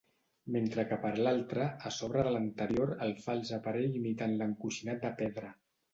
Mentre que per l'altra, a sobre de l'anterior el fals aparell imitant l'encoixinat de pedra.